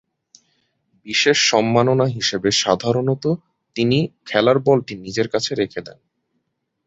বিশেষ সম্মাননা হিসেবে সাধারণতঃ তিনি খেলার বলটি নিজের কাছে রেখে দেন।